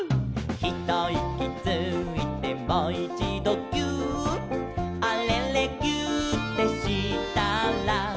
「ひといきついてもいちどぎゅーっ」「あれれぎゅーってしたら」